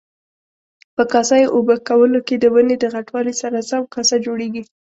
په کاسه یي اوبه کولو کې د ونې د غټوالي سره سم کاسه جوړیږي.